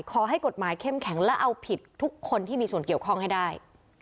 ขอให้กฎหมายเข้มแข็งและเอาผิดทุกคนที่มีส่วนเกี่ยวข้องให้ได้